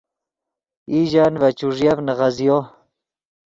ایژن ڤے چوݱیف نیغزیو